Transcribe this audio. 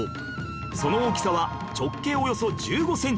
その大きさは直径およそ１５センチ